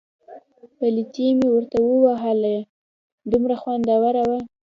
پلتۍ مې ورته ووهله، دومره خوندوره وه.